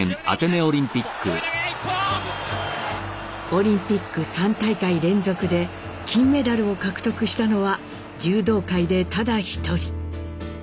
オリンピック３大会連続で金メダルを獲得したのは柔道界でただ一人。